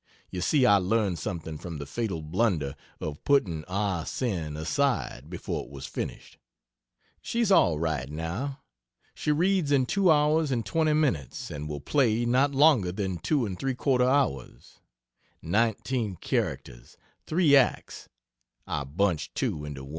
(You see I learned something from the fatal blunder of putting "Ah Sin" aside before it was finished.) She's all right, now. She reads in two hours and 20 minutes and will play not longer than 2 3/4 hours. Nineteen characters; 3 acts; (I bunched 2 into 1.)